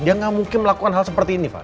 dia nggak mungkin melakukan hal seperti ini pak